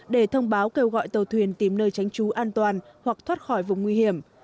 để thông báo kêu gọi tàu thuyền tìm nơi tránh trú an toàn hoặc thoát khỏi vùng nguy hiểm